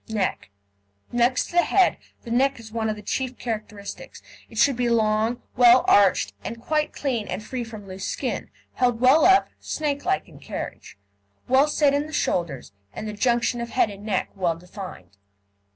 NECK Next to the head, the neck is one of the chief characteristics. It should be long, well arched, and quite clean and free from loose skin, held well up, snakelike in carriage, well set in the shoulders, and the junction of head and neck well defined.